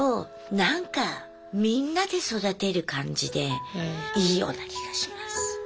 なんかみんなで育てる感じでいいような気がします。